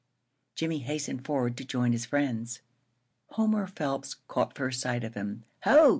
Jimmie hastened forward to join his friends. Homer Phelps caught first sight of him. "Ho!"